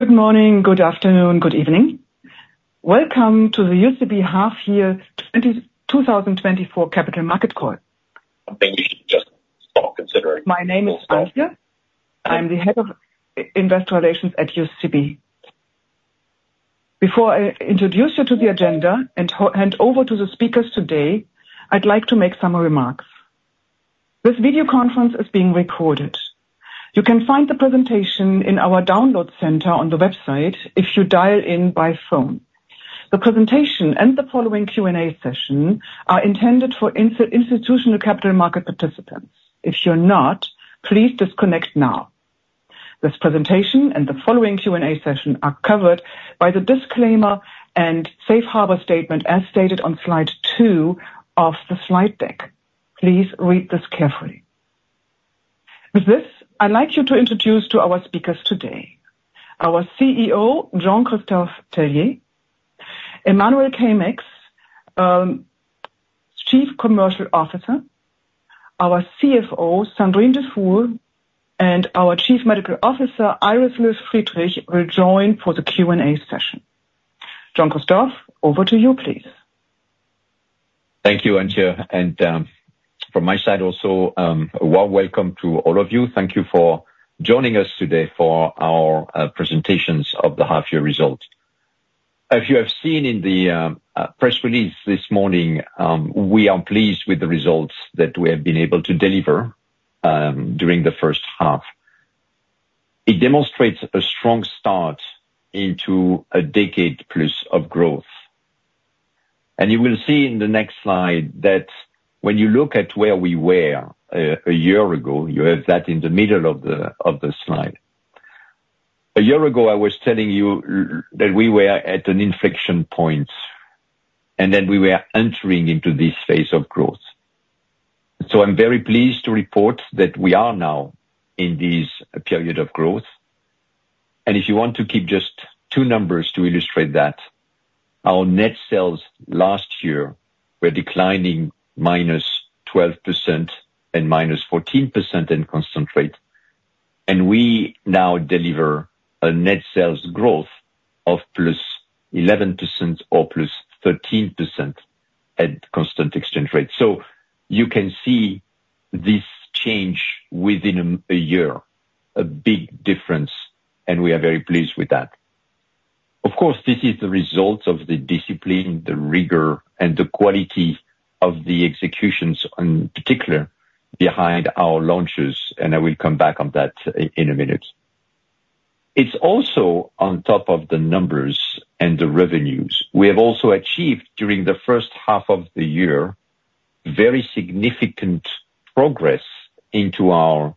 Good morning, good afternoon, good evening. Welcome to the UCB half-year 2024 capital market call. Thank you. Just stop considering. My name is Antje. I'm the head of investor relations at UCB. Before I introduce you to the agenda and hand over to the speakers today, I'd like to make some remarks. This video conference is being recorded. You can find the presentation in our download center on the website if you dial in by phone. The presentation and the following Q&A session are intended for institutional capital market participants. If you're not, please disconnect now. This presentation and the following Q&A session are covered by the disclaimer and safe harbor statement as stated on slide two of the slide deck. Please read this carefully. With this, I'd like you to introduce to our speakers today: our CEO, Jean-Christophe Tellier; Emmanuel Caeymaex, Chief Commercial Officer; our CFO, Sandrine Dufour; and our Chief Medical Officer, Iris Löw-Friedrich, will join for the Q&A session. Jean-Christophe, over to you, please. Thank you, Antje. From my side also, a warm welcome to all of you. Thank you for joining us today for our presentations of the half-year results. As you have seen in the press release this morning, we are pleased with the results that we have been able to deliver during the first half. It demonstrates a strong start into a decade-plus of growth. You will see in the next slide that when you look at where we were a year ago, you have that in the middle of the slide. A year ago, I was telling you that we were at an inflection point, and then we were entering into this phase of growth. I'm very pleased to report that we are now in this period of growth. If you want to keep just 2 numbers to illustrate that, our net sales last year were declining -12% and -14% in constant rate. We now deliver a net sales growth of +11% or +13% at constant exchange rate. You can see this change within a year, a big difference, and we are very pleased with that. Of course, this is the result of the discipline, the rigor, and the quality of the executions in particular behind our launches, and I will come back on that in a minute. It's also on top of the numbers and the revenues. We have also achieved during the first half of the year very significant progress into our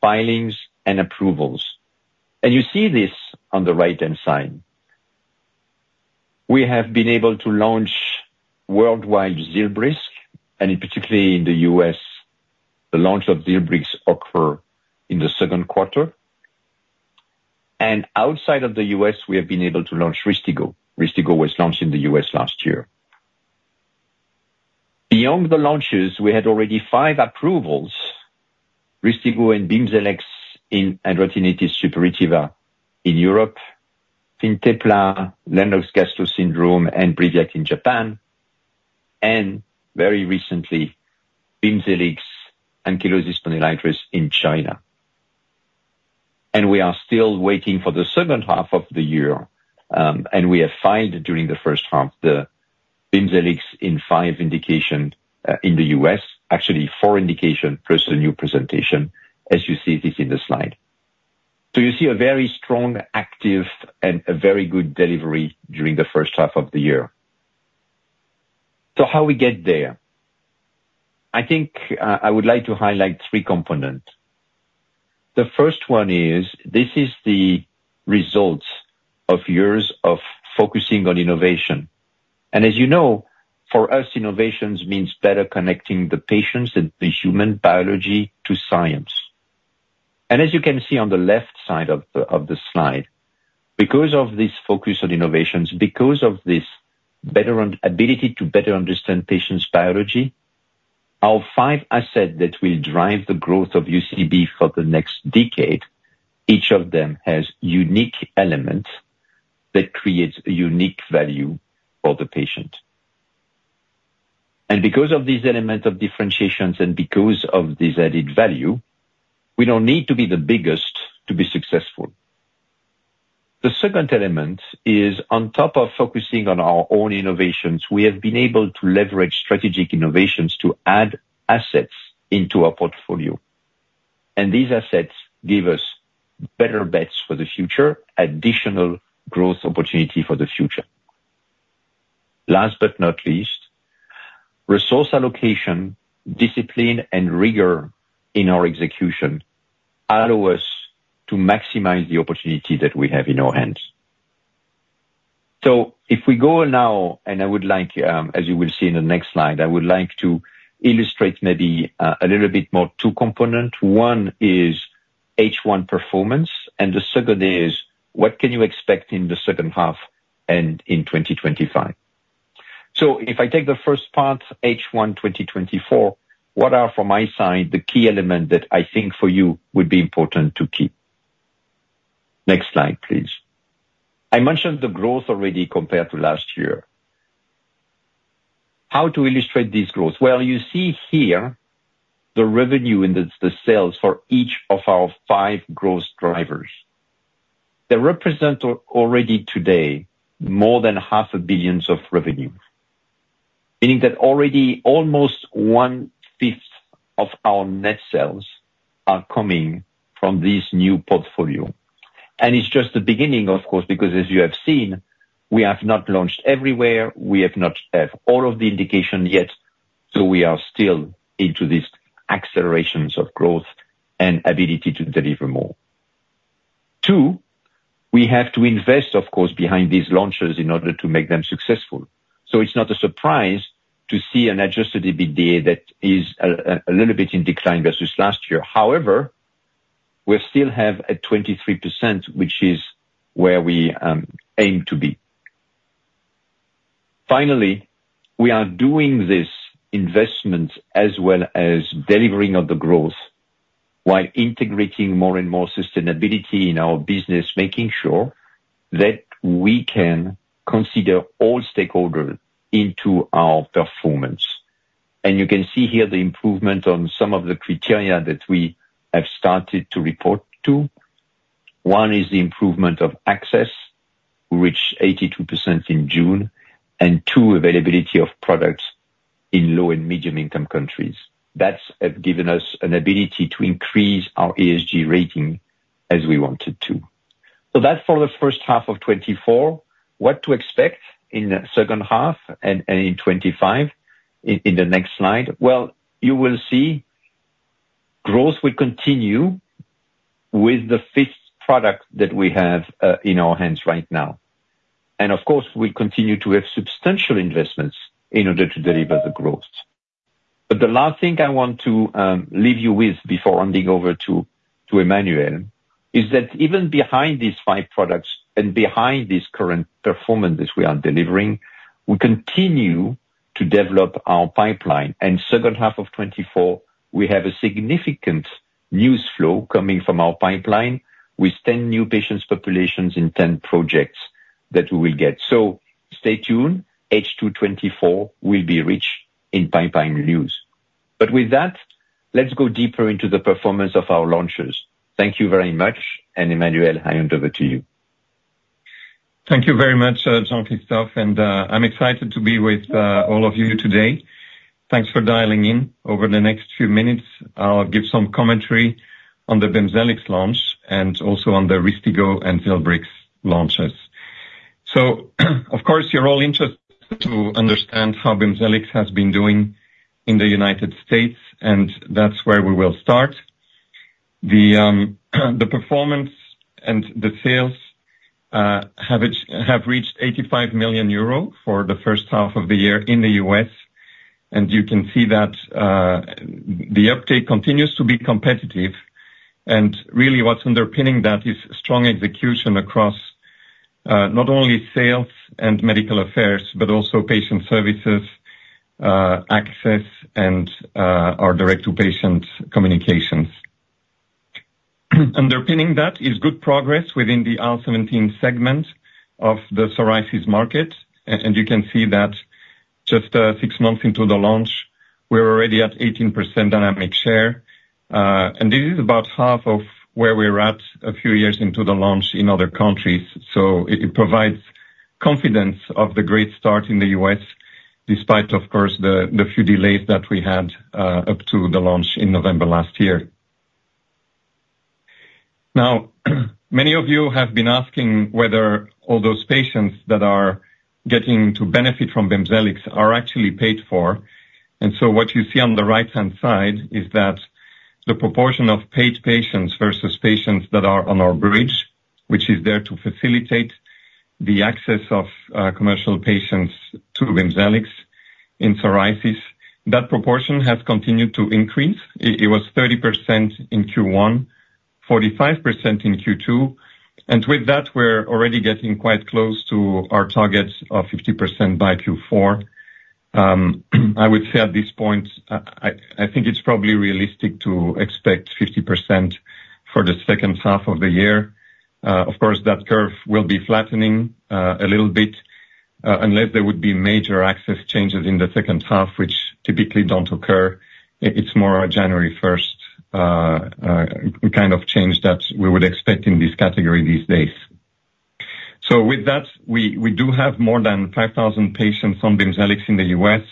filings and approvals. You see this on the right-hand side. We have been able to launch worldwide ZILBRYSQ, and particularly in the US, the launch of ZILBRYSQ occurred in the Q2. And outside of the US, we have been able to launch RYSTIGGO. RYSTIGGO was launched in the US last year. Beyond the launches, we had already five approvals: RYSTIGGO and BIMZELX in Hidradenitis Suppurativa in Europe, FINTEPLA, Lennox-Gastaut syndrome, and BRIVIACT in Japan, and very recently, BIMZELX and Ankylosing Spondylitis in China. And we are still waiting for the second half of the year, and we have filed during the first half the BIMZELX in five indications in the US, actually four indications plus a new presentation, as you see this in the slide. So you see a very strong, active, and a very good delivery during the first half of the year. So how we get there? I think I would like to highlight three components. The first one is this is the result of years of focusing on innovation. As you know, for us, innovations mean better connecting the patients and the human biology to science. As you can see on the left side of the slide, because of this focus on innovations, because of this ability to better understand patients' biology, our five assets that will drive the growth of UCB for the next decade, each of them has unique elements that create unique value for the patient. Because of these elements of differentiations and because of this added value, we don't need to be the biggest to be successful. The second element is, on top of focusing on our own innovations, we have been able to leverage strategic innovations to add assets into our portfolio. And these assets give us better bets for the future, additional growth opportunity for the future. Last but not least, resource allocation, discipline, and rigor in our execution allow us to maximize the opportunity that we have in our hands. So if we go now, and I would like, as you will see in the next slide, I would like to illustrate maybe a little bit more two components. One is H1 performance, and the second is what can you expect in the second half and in 2025. So if I take the first part, H1 2024, what are from my side the key elements that I think for you would be important to keep? Next slide, please. I mentioned the growth already compared to last year. How to illustrate this growth? Well, you see here the revenue and the sales for each of our five growth drivers. They represent already today more than 500 million of revenue, meaning that already almost one-fifth of our net sales are coming from this new portfolio. And it's just the beginning, of course, because as you have seen, we have not launched everywhere. We have not had all of the indications yet, so we are still into these accelerations of growth and ability to deliver more. Two, we have to invest, of course, behind these launches in order to make them successful. So it's not a surprise to see an adjusted EBITDA that is a little bit in decline versus last year. However, we still have a 23%, which is where we aim to be. Finally, we are doing this investment as well as delivering on the growth while integrating more and more sustainability in our business, making sure that we can consider all stakeholders into our performance. You can see here the improvement on some of the criteria that we have started to report to. One is the improvement of access, which is 82% in June, and two, availability of products in low and medium-income countries. That's given us an ability to increase our ESG rating as we wanted to. That's for the first half of 2024. What to expect in the second half and in 2025 in the next slide? Well, you will see growth will continue with the fifth product that we have in our hands right now. And of course, we'll continue to have substantial investments in order to deliver the growth. But the last thing I want to leave you with before handing over to Emmanuel is that even behind these five products and behind this current performance that we are delivering, we continue to develop our pipeline. Second half of 2024, we have a significant news flow coming from our pipeline with 10 new patients' populations in 10 projects that we will get. So stay tuned. H2 2024 will be rich in pipeline news. But with that, let's go deeper into the performance of our launches. Thank you very much. Emmanuel, I hand over to you. Thank you very much, Jean-Christophe. I'm excited to be with all of you today. Thanks for dialing in. Over the next few minutes, I'll give some commentary on the BIMZELX launch and also on the RYSTIGGO and ZILBRYSQ launches. Of course, you're all interested to understand how BIMZELX has been doing in the United States, and that's where we will start. The performance and the sales have reached 85 million euro for the first half of the year in the US. You can see that the uptake continues to be competitive. Really, what's underpinning that is strong execution across not only sales and medical affairs, but also patient services, access, and our direct-to-patient communications. Underpinning that is good progress within the IL-17 segment of the psoriasis market. You can see that just six months into the launch, we're already at 18% dynamic share. This is about half of where we're at a few years into the launch in other countries. It provides confidence of the great start in the U.S., despite, of course, the few delays that we had up to the launch in November last year. Now, many of you have been asking whether all those patients that are getting to benefit from BIMZELX are actually paid for. So what you see on the right-hand side is that the proportion of paid patients versus patients that are on our Bridge, which is there to facilitate the access of commercial patients to BIMZELX in psoriasis, that proportion has continued to increase. It was 30% in Q1, 45% in Q2. With that, we're already getting quite close to our targets of 50% by Q4. I would say at this point, I think it's probably realistic to expect 50% for the second half of the year. Of course, that curve will be flattening a little bit unless there would be major access changes in the second half, which typically don't occur. It's more a January 1st kind of change that we would expect in this category these days. So with that, we do have more than 5,000 patients on BIMZELX in the U.S.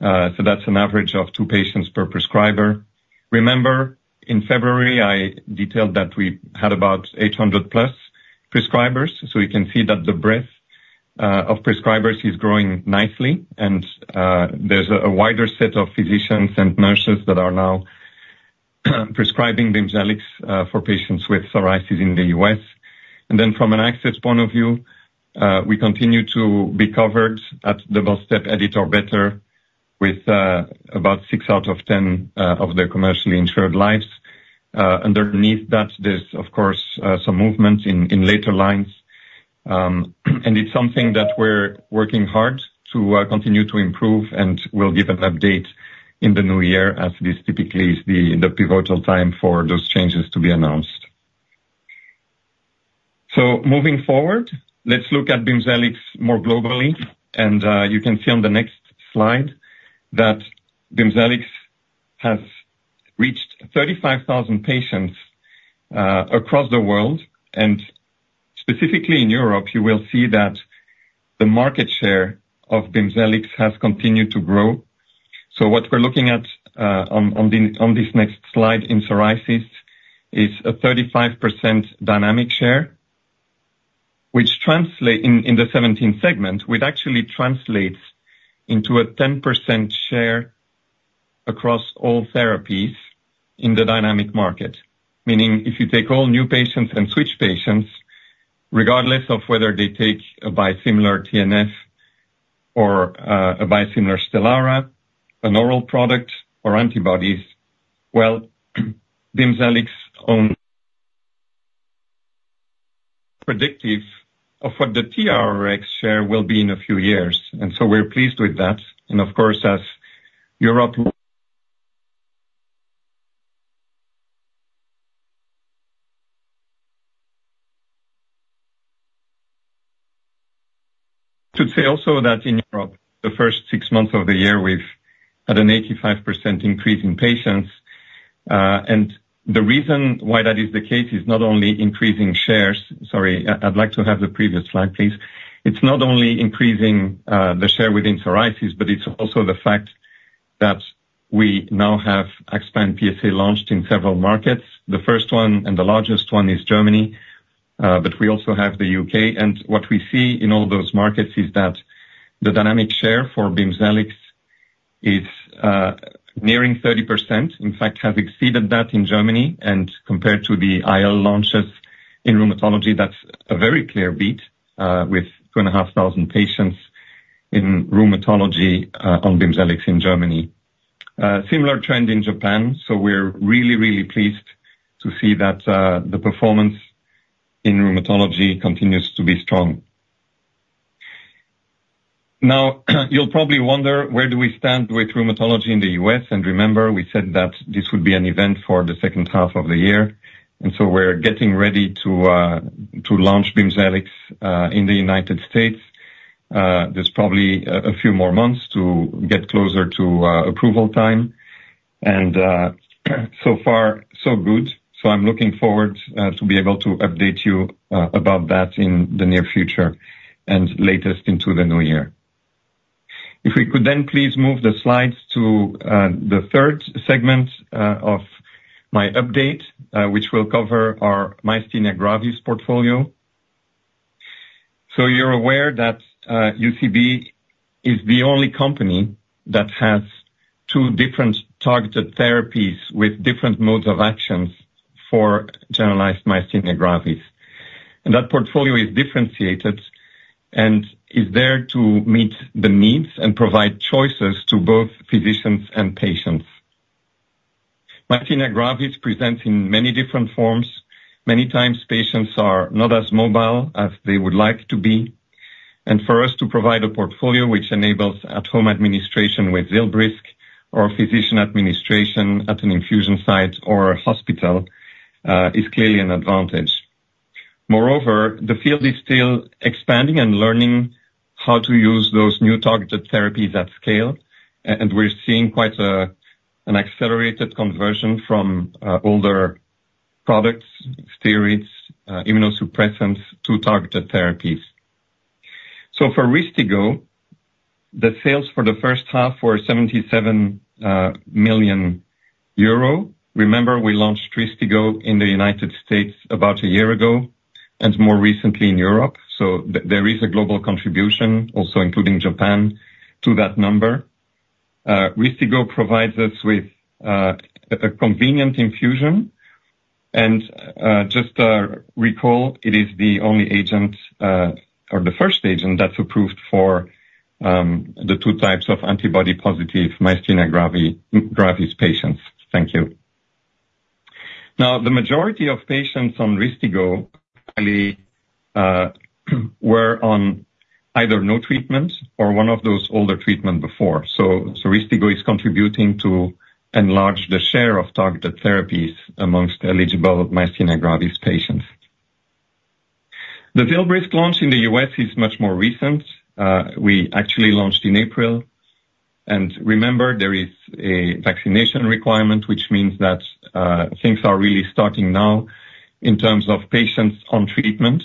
So that's an average of two patients per prescriber. Remember, in February, I detailed that we had about 800+ prescribers. So you can see that the breadth of prescribers is growing nicely. And there's a wider set of physicians and nurses that are now prescribing BIMZELX for patients with psoriasis in the U.S. Then from an access point of view, we continue to be covered at the best ad or better with about six out of 10 of the commercially insured lives. Underneath that, there's, of course, some movements in later lines. It's something that we're working hard to continue to improve, and we'll give an update in the new year as this typically is the pivotal time for those changes to be announced. Moving forward, let's look at BIMZELX more globally. You can see on the next slide that BIMZELX has reached 35,000 patients across the world. Specifically in Europe, you will see that the market share of BIMZELX has continued to grow. So what we're looking at on this next slide in psoriasis is a 35% dynamic share, which in the IL-17 segment, which actually translates into a 10% share across all therapies in the dynamic market, meaning if you take all new patients and switch patients, regardless of whether they take a biosimilar TNF or a biosimilar Stelara, an oral product or antibodies, well, BIMZELX predictive of what the TRx share will be in a few years. And so we're pleased with that. And of course, as I should say also that in Europe, the first six months of the year, we've had an 85% increase in patients. And the reason why that is the case is not only increasing shares. Sorry, I'd like to have the previous slide, please. It's not only increasing the share within psoriasis, but it's also the fact that we now have axSpA PsA launched in several markets. The first one and the largest one is Germany, but we also have the UK. What we see in all those markets is that the dynamic share for BIMZELX is nearing 30%. In fact, it has exceeded that in Germany. Compared to the IL launches in rheumatology, that's a very clear beat with 2,500 patients in rheumatology on BIMZELX in Germany. Similar trend in Japan. We're really, really pleased to see that the performance in rheumatology continues to be strong. Now, you'll probably wonder, where do we stand with rheumatology in the US? Remember, we said that this would be an event for the second half of the year. So we're getting ready to launch BIMZELX in the United States. There's probably a few more months to get closer to approval time. So far, so good. I'm looking forward to be able to update you about that in the near future and latest into the new year. If we could then please move the slides to the third segment of my update, which will cover our Myasthenia Gravis portfolio. You're aware that UCB is the only company that has two different targeted therapies with different modes of actions for generalized Myasthenia Gravis. That portfolio is differentiated and is there to meet the needs and provide choices to both physicians and patients. Myasthenia Gravis presents in many different forms. Many times, patients are not as mobile as they would like to be. For us to provide a portfolio which enables at-home administration with ZILBRYSQ or physician administration at an infusion site or hospital is clearly an advantage. Moreover, the field is still expanding and learning how to use those new targeted therapies at scale. We're seeing quite an accelerated conversion from older products, steroids, immunosuppressants to targeted therapies. For RYSTIGO, the sales for the first half were 77 million euro. Remember, we launched RYSTIGO in the United States about a year ago and more recently in Europe. There is a global contribution, also including Japan, to that number. RYSTIGO provides us with a convenient infusion. Just recall, it is the only agent or the first agent that's approved for the two types of antibody-positive Myasthenia gravis patients. Thank you. Now, the majority of patients on RYSTIGO were on either no treatment or one of those older treatments before. So RYSTIGGO is contributing to enlarge the share of targeted therapies amongst eligible myasthenia gravis patients. The ZILBRYSQ launch in the U.S. is much more recent. We actually launched in April. And remember, there is a vaccination requirement, which means that things are really starting now in terms of patients on treatment.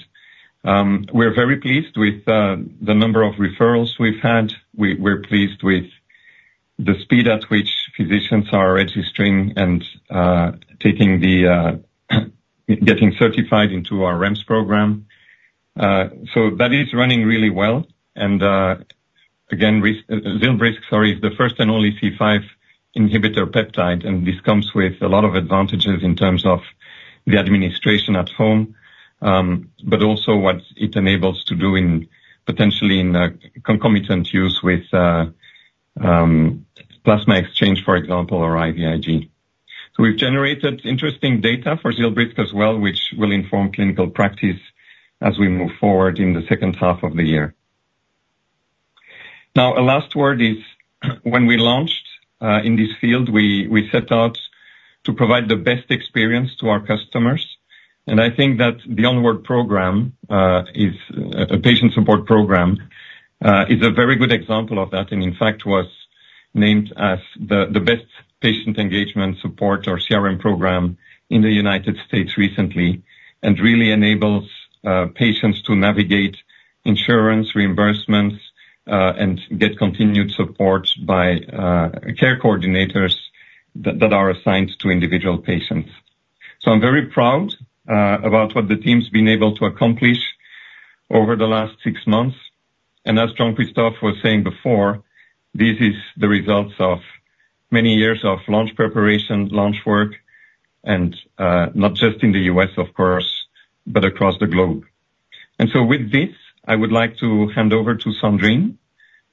We're very pleased with the number of referrals we've had. We're pleased with the speed at which physicians are registering and getting certified into our REMS program. So that is running really well. And again, ZILBRYSQ, sorry, is the first and only C5 inhibitor peptide. And this comes with a lot of advantages in terms of the administration at home, but also what it enables to do potentially in concomitant use with plasma exchange, for example, or IVIG. So we've generated interesting data for ZILBRYSQ as well, which will inform clinical practice as we move forward in the second half of the year. Now, a last word is when we launched in this field, we set out to provide the best experience to our customers. I think that the Onward program, a patient support program, is a very good example of that and in fact was named as the best patient engagement support or CRM program in the United States recently and really enables patients to navigate insurance reimbursements and get continued support by care coordinators that are assigned to individual patients. So I'm very proud about what the team's been able to accomplish over the last six months. As Jean-Christophe was saying before, this is the results of many years of launch preparation, launch work, and not just in the U.S., of course, but across the globe. With this, I would like to hand over to Sandrine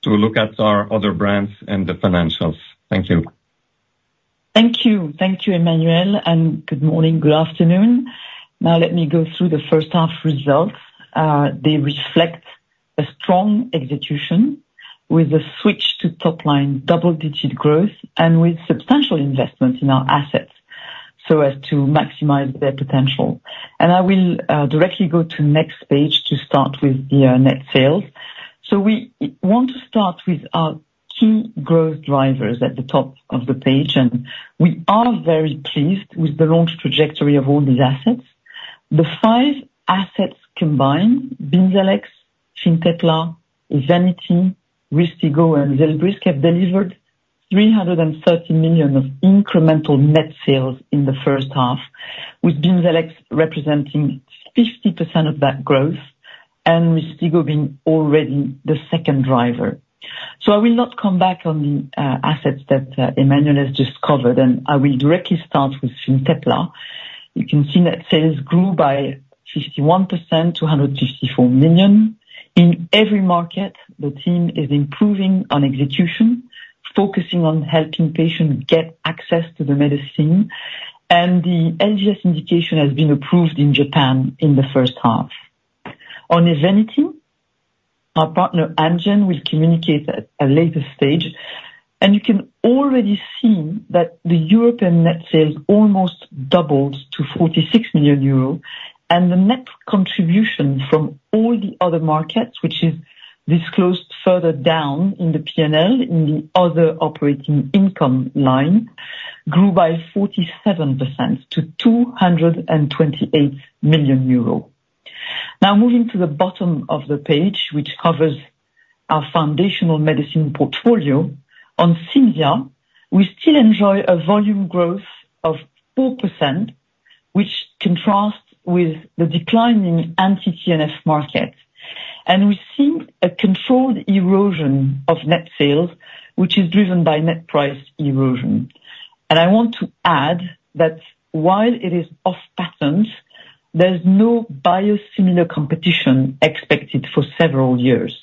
to look at our other brands and the financials. Thank you. Thank you. Thank you, Emmanuel. Good morning, good afternoon. Now, let me go through the first half results. They reflect a strong execution with a switch to top-line double-digit growth and with substantial investment in our assets so as to maximize their potential. I will directly go to the next page to start with the net sales. So we want to start with our key growth drivers at the top of the page. We are very pleased with the launch trajectory of all these assets. The five assets combined, BIMZELX, FINTEPLA, EVENITY, RYSTIGGO, and ZILBRYSQ, have delivered 330 million of incremental net sales in the first half, with BIMZELX representing 50% of that growth and RYSTIGGO being already the second driver. So I will not come back on the assets that Emmanuel has just covered. I will directly start with FINTEPLA. You can see that sales grew by 51% to 154 million. In every market, the team is improving on execution, focusing on helping patients get access to the medicine. The LGS indication has been approved in Japan in the first half. On EVENITY, our partner Amgen will communicate at a later stage. You can already see that the European net sales almost doubled to 46 million euros. The net contribution from all the other markets, which is disclosed further down in the P&L, in the other operating income line, grew by 47% to 228 million euro. Now, moving to the bottom of the page, which covers our foundational medicine portfolio, on CIMZIA, we still enjoy a volume growth of 4%, which contrasts with the declining anti-TNF market. We see a controlled erosion of net sales, which is driven by net price erosion. And I want to add that while it is off-patent, there's no biosimilar competition expected for several years.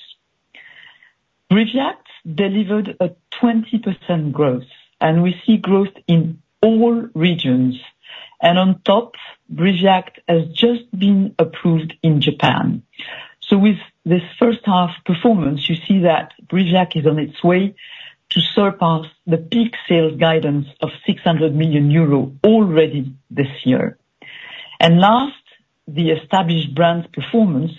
Briviact delivered a 20% growth. And we see growth in all regions. And on top, Briviact has just been approved in Japan. So with this first half performance, you see that Briviact is on its way to surpass the peak sales guidance of 600 million euro already this year. And last, the established brand's performance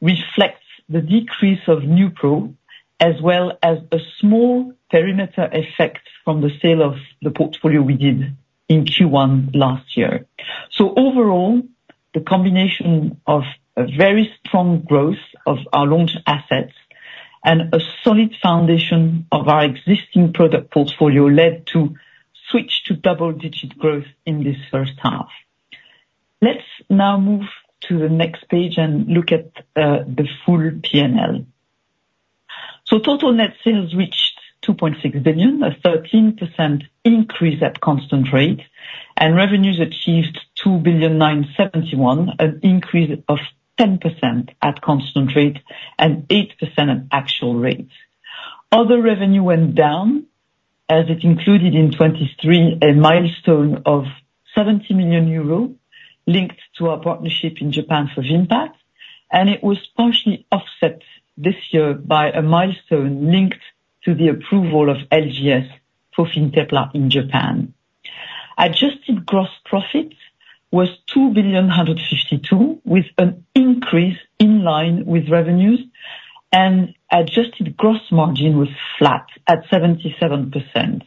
reflects the decrease of Neupro as well as a small perimeter effect from the sale of the portfolio we did in Q1 last year. So overall, the combination of a very strong growth of our launch assets and a solid foundation of our existing product portfolio led to a switch to double-digit growth in this first half. Let's now move to the next page and look at the full P&L. Total net sales reached 2.6 billion, a 13% increase at constant rate. Revenues achieved 2,971, an increase of 10% at constant rate and 8% at actual rate. Other revenue went down as it included in 2023 a milestone of 70 million euros linked to our partnership in Japan for VIMPAT. It was partially offset this year by a milestone linked to the approval of LGS for FINTEPLA in Japan. Adjusted gross profit was 2,152, with an increase in line with revenues. Adjusted gross margin was flat at 77%.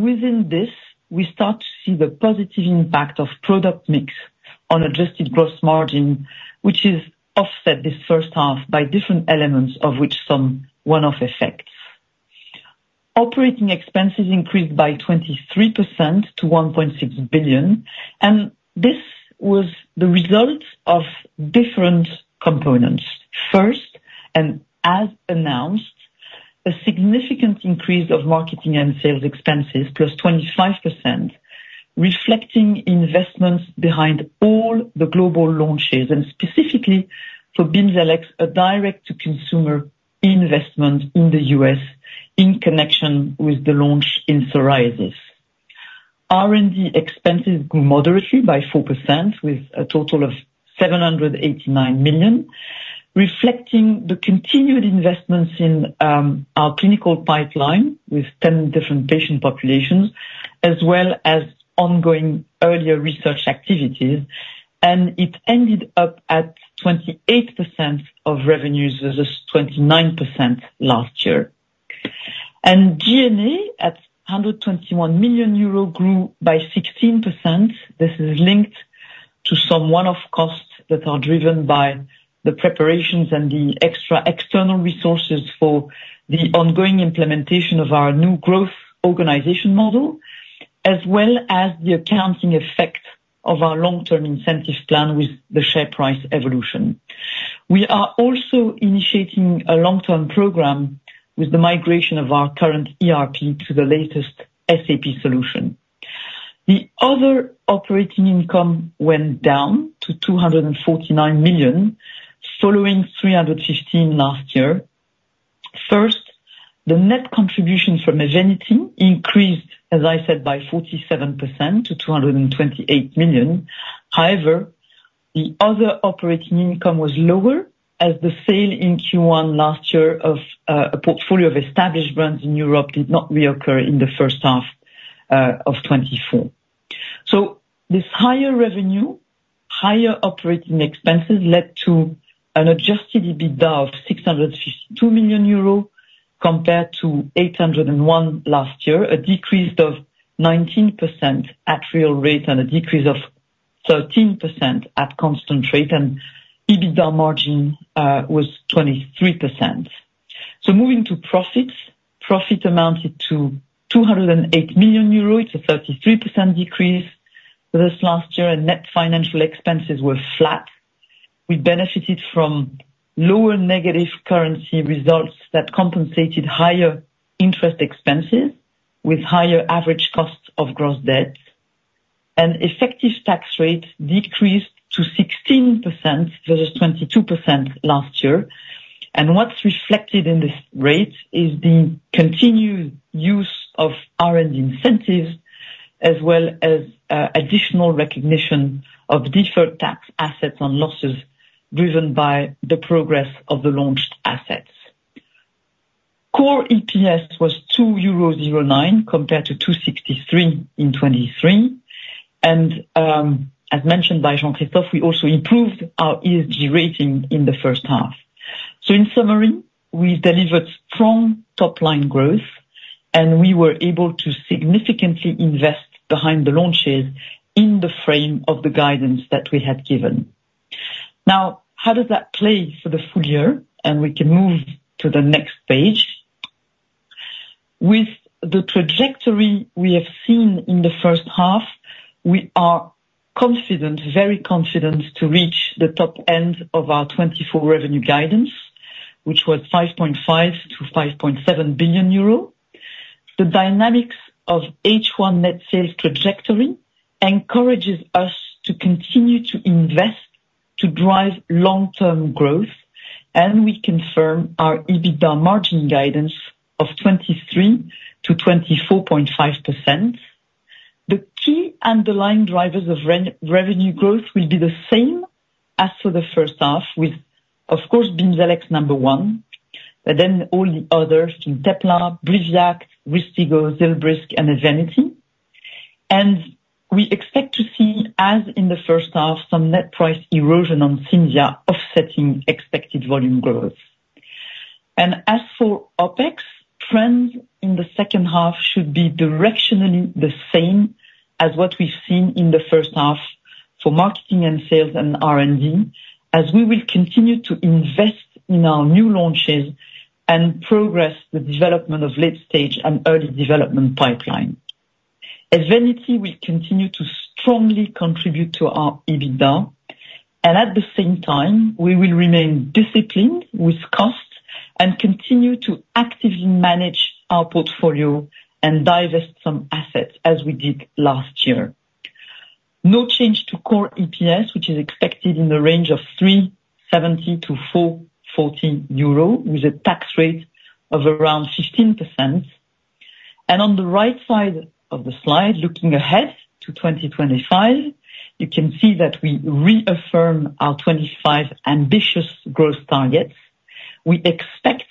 Within this, we start to see the positive impact of product mix on adjusted gross margin, which is offset this first half by different elements of which some one-off effects. Operating expenses increased by 23% to 1.6 billion. This was the result of different components. First, as announced, a significant increase of marketing and sales expenses plus 25%, reflecting investments behind all the global launches. Specifically for BIMZELX, a direct-to-consumer investment in the U.S. in connection with the launch in psoriasis. R&D expenses grew moderately by 4% with a total of 789 million, reflecting the continued investments in our clinical pipeline with 10 different patient populations, as well as ongoing earlier research activities. It ended up at 28% of revenues versus 29% last year. G&A at 121 million euro grew by 16%. This is linked to some one-off costs that are driven by the preparations and the extra external resources for the ongoing implementation of our new growth organization model, as well as the accounting effect of our long-term incentive plan with the share price evolution. We are also initiating a long-term program with the migration of our current ERP to the latest SAP solution. The other operating income went down to 249 million, following 315 million last year. First, the net contribution from Evenity increased, as I said, by 47% to 228 million. However, the other operating income was lower as the sale in Q1 last year of a portfolio of establishments in Europe did not reoccur in the first half of 2024. So this higher revenue, higher operating expenses led to an adjusted EBITDA of 652 million euros compared to 801 last year, a decrease of 19% at real rate and a decrease of 13% at constant rate. EBITDA margin was 23%. So moving to profits, profit amounted to 208 million euros. It's a 33% decrease this last year. And net financial expenses were flat. We benefited from lower negative currency results that compensated higher interest expenses with higher average costs of gross debt. Effective tax rate decreased to 16% versus 22% last year. What's reflected in this rate is the continued use of R&D incentives as well as additional recognition of deferred tax assets on losses driven by the progress of the launched assets. Core EPS was €2.09 compared to €2.63 in 2023. As mentioned by Jean-Christophe, we also improved our ESG rating in the first half. So in summary, we delivered strong top-line growth, and we were able to significantly invest behind the launches in the frame of the guidance that we had given. Now, how does that play for the full year? We can move to the next page. With the trajectory we have seen in the first half, we are confident, very confident to reach the top end of our 2024 revenue guidance, which was 5.5 billion-5.7 billion euro. The dynamics of H1 net sales trajectory encourages us to continue to invest to drive long-term growth. And we confirm our EBITDA margin guidance of 23%-24.5%. The key underlying drivers of revenue growth will be the same as for the first half, with, of course, BIMZELX number one, but then all the others: FINTEPLA, BRIVIACT, RYSTIGGO, ZILBRYSQ, and EVENITY. And we expect to see, as in the first half, some net price erosion on CIMZIA offsetting expected volume growth. As for OpEx, trends in the second half should be directionally the same as what we've seen in the first half for marketing and sales and R&D, as we will continue to invest in our new launches and progress the development of late-stage and early development pipeline. Evenity will continue to strongly contribute to our EBITDA. And at the same time, we will remain disciplined with costs and continue to actively manage our portfolio and divest some assets as we did last year. No change to core EPS, which is expected in the range of 3.70-4.40 euro with a tax rate of around 15%. On the right side of the slide, looking ahead to 2025, you can see that we reaffirm our 2025 ambitious growth targets. We expect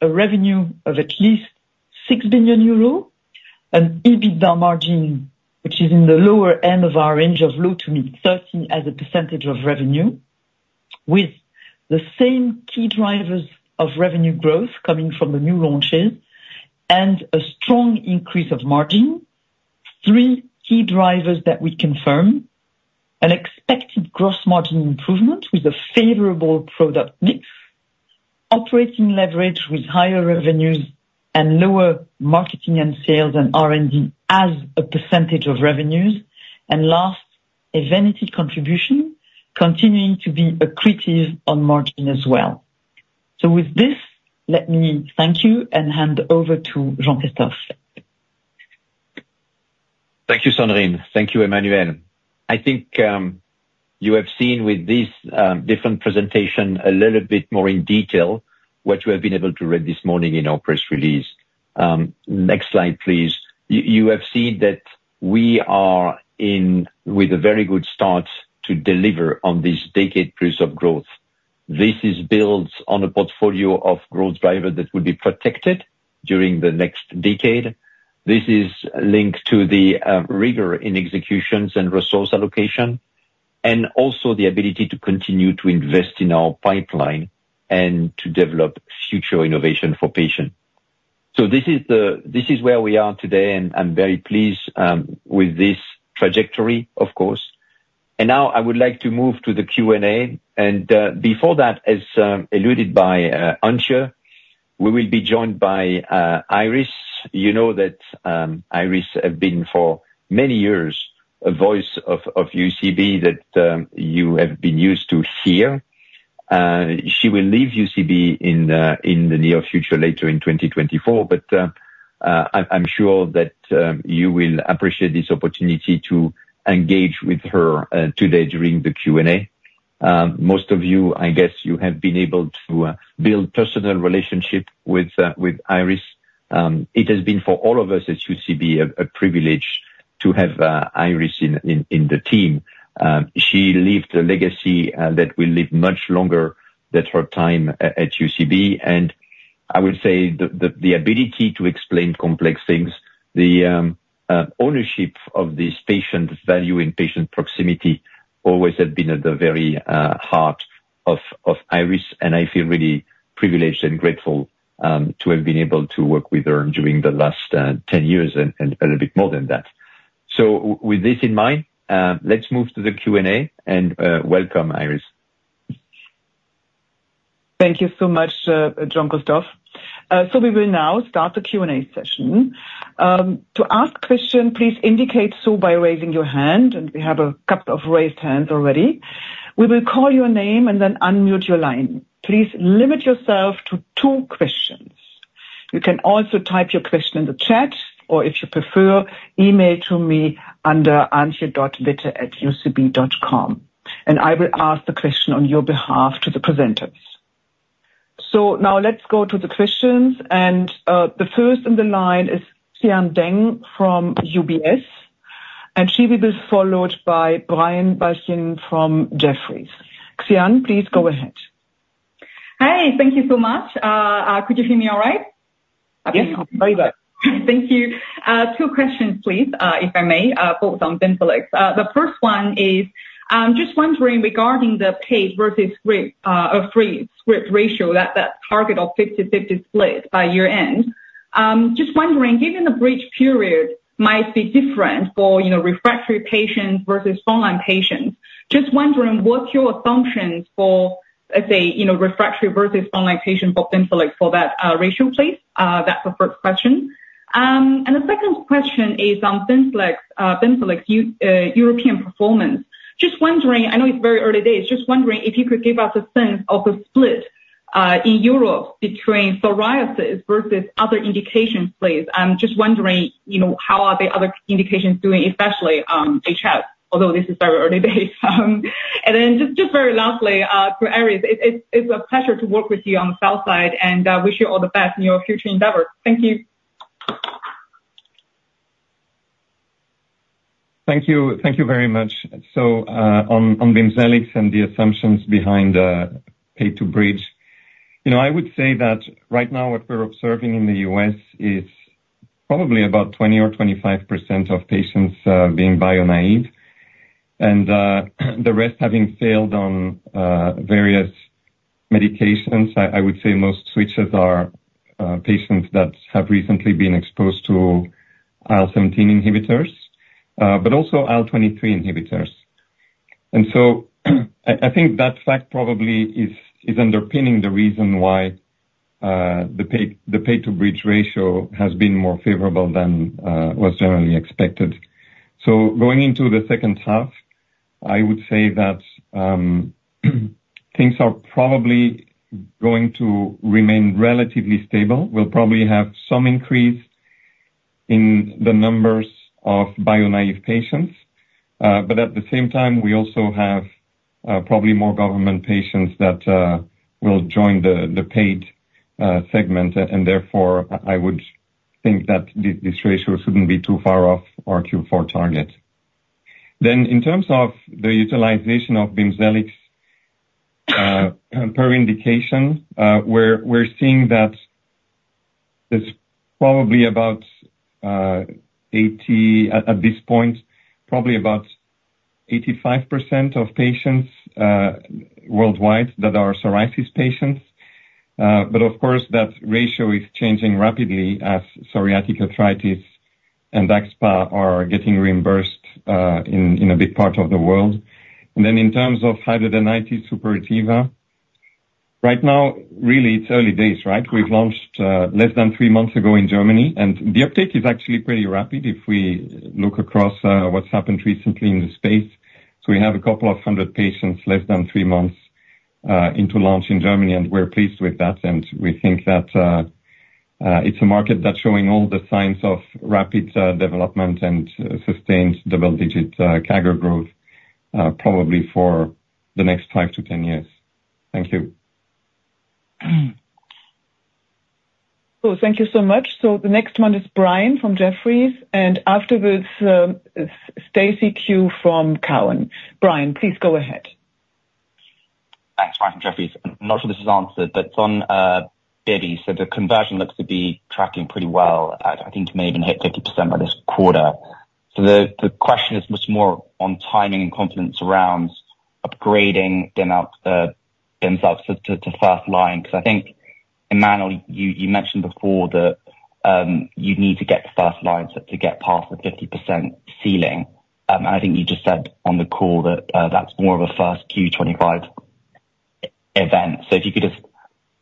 a revenue of at least 6 billion euro, an EBITDA margin which is in the lower end of our range of low- to mid-30% as a percentage of revenue, with the same key drivers of revenue growth coming from the new launches and a strong increase of margin, three key drivers that we confirm, an expected gross margin improvement with a favorable product mix, operating leverage with higher revenues and lower marketing and sales and R&D as a percentage of revenues. Last, Evenity contribution continuing to be accretive on margin as well. So with this, let me thank you and hand over to Jean-Christophe. Thank you, Sandrine. Thank you, Emmanuel. I think you have seen with this different presentation a little bit more in detail what you have been able to read this morning in our press release. Next slide, please. You have seen that we are in with a very good start to deliver on this decade period of growth. This builds on a portfolio of growth drivers that will be protected during the next decade. This is linked to the rigor in executions and resource allocation, and also the ability to continue to invest in our pipeline and to develop future innovation for patients. So this is where we are today. And I'm very pleased with this trajectory, of course. And now I would like to move to the Q&A. And before that, as alluded by Antje, we will be joined by Iris. You know that Iris has been for many years a voice of UCB that you have been used to hear. She will leave UCB in the near future, later in 2024. But I'm sure that you will appreciate this opportunity to engage with her today during the Q&A. Most of you, I guess, you have been able to build personal relationships with Iris. It has been for all of us at UCB a privilege to have Iris in the team. She leaves a legacy that will live much longer than her time at UCB. And I would say the ability to explain complex things, the ownership of this patient value in patient proximity always has been at the very heart of Iris. And I feel really privileged and grateful to have been able to work with her during the last 10 years and a little bit more than that. With this in mind, let's move to the Q&A and welcome Iris. Thank you so much, Jean-Christophe. So we will now start the Q&A session. To ask a question, please indicate so by raising your hand. And we have a couple of raised hands already. We will call your name and then unmute your line. Please limit yourself to two questions. You can also type your question in the chat or, if you prefer, email to me under antje.witte@ucb.com. And I will ask the question on your behalf to the presenters. So now let's go to the questions. And the first in the line is Xian Deng from UBS. And she will be followed by Brian Balchin from Jefferies. Xian, please go ahead. Hi. Thank you so much. Could you hear me all right? Yes, very well. Thank you. Two questions, please, if I may, both on BIMZELX. The first one is just wondering regarding the paid versus free script ratio, that target of 50/50 split by year-end. Just wondering, given the bridge period might be different for refractory patients versus frontline patients, just wondering what's your assumptions for, let's say, refractory versus frontline patients for BIMZELX for that ratio, please? That's the first question. And the second question is on BIMZELX, European performance. Just wondering, I know it's very early days, just wondering if you could give us a sense of the split in Europe between psoriasis versus other indications, please? I'm just wondering how are the other indications doing, especially HS, although this is very early days. And then just very lastly, to Iris, it's a pleasure to work with you on the sell side and wish you all the best in your future endeavors. Thank you. Thank you very much. So on BIMZELX and the assumptions behind paid-to-bridge, I would say that right now what we're observing in the U.S. is probably about 20% or 25% of patients being bio-naive. And the rest having failed on various medications, I would say most switches are patients that have recently been exposed to IL-17 inhibitors, but also IL-23 inhibitors. And so I think that fact probably is underpinning the reason why the paid-to-bridge ratio has been more favorable than was generally expected. So going into the second half, I would say that things are probably going to remain relatively stable. We'll probably have some increase in the numbers of bio-naive patients. But at the same time, we also have probably more government patients that will join the paid segment. And therefore, I would think that this ratio shouldn't be too far off our Q4 target. Then in terms of the utilization of BIMZELX per indication, we're seeing that there's probably about 80% at this point, probably about 85% of patients worldwide that are psoriasis patients. But of course, that ratio is changing rapidly as psoriatic arthritis and axSpA are getting reimbursed in a big part of the world. And then in terms of Hidradenitis Suppurativa, right now, really, it's early days, right? We've launched less than three months ago in Germany. And the uptake is actually pretty rapid if we look across what's happened recently in the space. So we have a couple of hundred patients less than three months into launch in Germany. And we're pleased with that. And we think that it's a market that's showing all the signs of rapid development and sustained double-digit CAGR growth probably for the next 5 to 10 years. Thank you. Well, thank you so much. So the next one is Brian from Jefferies. And afterwards, Stacy Ku from TD Cowen. Brian, please go ahead. Thanks, Brian from Jefferies. I'm not sure this is answered, but it's on BIMZELX. So the conversion looks to be tracking pretty well. I think you may even hit 50% by this quarter. So the question is much more on timing and confidence around upgrading BIMZELX to first line. Because I think, Emmanuel, you mentioned before that you need to get to first line to get past the 50% ceiling. And I think you just said on the call that that's more of a first Q25 event. So if you could just